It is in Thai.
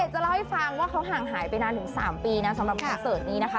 จะเล่าให้ฟังว่าเขาห่างหายไปนานถึง๓ปีนะสำหรับคอนเสิร์ตนี้นะคะ